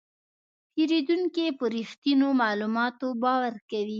پیرودونکی په رښتینو معلوماتو باور کوي.